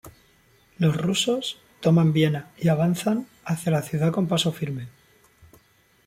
Los rusos toman Viena y avanzan hacia la ciudad con paso firme.